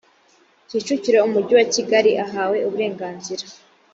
kicukiro umujyi wa kigali ahawe uburenganzira